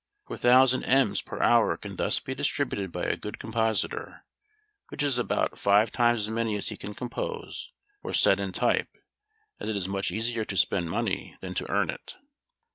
Four thousand "ems" per hour can thus be distributed by a good compositor, which is about five times as many as he can "compose," or set in type; as it is much easier to spend money than to earn it.